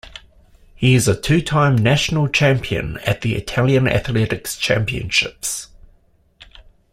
He is a two-time national champion at the Italian Athletics Championships.